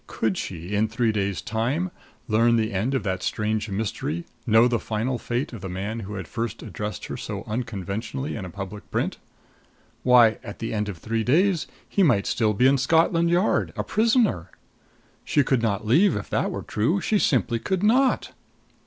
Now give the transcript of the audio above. Could she in three days' time learn the end of that strange mystery, know the final fate of the man who had first addressed her so unconventionally in a public print? Why, at the end of three days he might still be in Scotland Yard, a prisoner! She could not leave if that were true she simply could not.